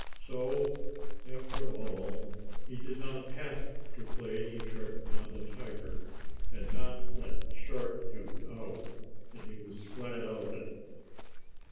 So, after all, he did not have to play any trick on the tiger, and not let Sharp Tooth out, and he was glad of it.